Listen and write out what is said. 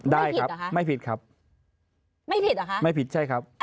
ได้ครับไม่ผิดเหรอคะไม่ผิดครับไม่ผิดใช่ครับไม่ผิดเหรอคะ